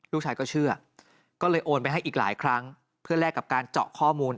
ลูกชายก็เชื่อก็เลยโอนไปให้อีกหลายครั้งเพื่อแลกกับการเจาะข้อมูล